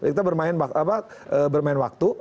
kita bermain waktu